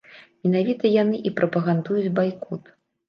Менавіта яны і прапагандуюць байкот.